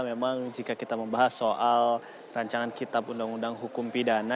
memang jika kita membahas soal rancangan kitab undang undang hukum pidana